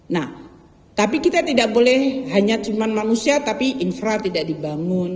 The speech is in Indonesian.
nah tapi kita tidak boleh hanya cuma manusia tapi infral tidak dibangun